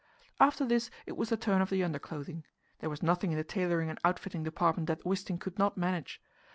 After this it was the turn of the underclothing; there was nothing in the tailoring and outfitting department that Wisting could not manage.